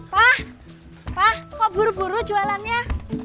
pa pa kok buru buru jualannya